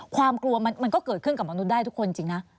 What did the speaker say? ความกลัวมันก็เกิดขึ้นกับมนุษย์ได้ทุกคนจริงนะ